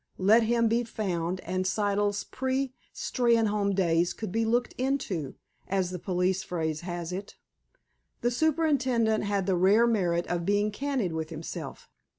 Let him be found, and Siddle's pre Steynholme days could be "looked into," as the police phrase has it. The superintendent had the rare merit of being candid with himself.